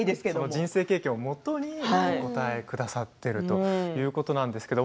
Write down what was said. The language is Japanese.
人生経験をもとにお答えくださっているということですね。